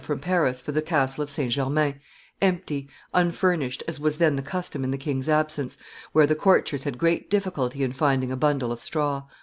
from Paris for the castle of St. Germain, empty, unfurnished, as was then the custom in the king's absence, where the courtiers had great difficulty in finding a bundle of straw.